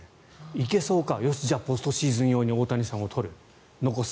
行けそうかじゃあポストシーズン用に大谷さんを取る、残す。